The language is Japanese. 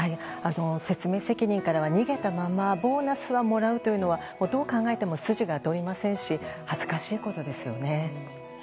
説明責任からは逃げたままボーナスはもらうというのはどう考えてもすじが通らないですし恥ずかしいことですよね。